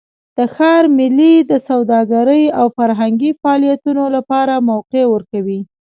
د ښار میلې د سوداګرۍ او فرهنګي فعالیتونو لپاره موقع ورکوي.